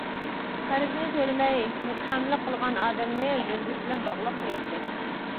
قەرزىنى تۆلىمەي مۇتتەھەملىك قىلغان ئادەمنى زەنجىر بىلەن باغلاپ قوياتتى.